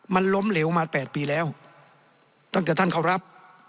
มันล้มเหลวมา๘ปีแล้วตั้งแต่ท่านเขารับ